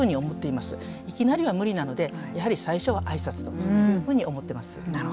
いきなりは無理なのでやはり最初は挨拶というふうに思ってます。